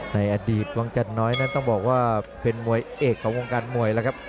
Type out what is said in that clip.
ในอดีตวังจันน้อยนั้นต้องบอกว่าเป็นมวยเอกของวงการมวยแล้วครับ